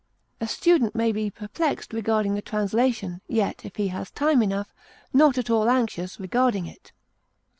A student may be perplexed regarding a translation, yet, if he has time enough, not at all anxious regarding it.